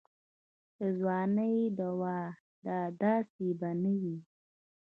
د ځوانۍ دوا دا داسې به نه وي.